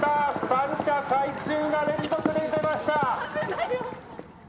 三射皆中が連続で出ました」。